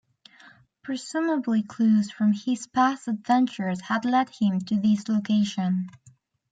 Presumably clues from his past adventures had led him to this location.